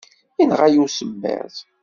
Yenɣa-iyi usemmiḍ.